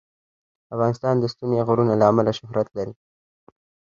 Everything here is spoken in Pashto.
افغانستان د ستوني غرونه له امله شهرت لري.